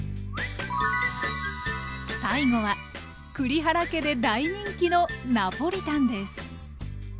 最後は栗原家で大人気のナポリタンです！